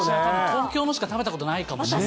東京のしか食べたことないか私も。